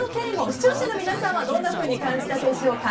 視聴者の皆さんはどんなふうに感じたでしょうか。